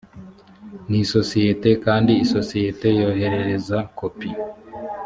n isososiyete kandi isosiyete yoherereza kopi